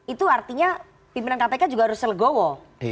itu artinya pimpinan kpk juga harus selegowo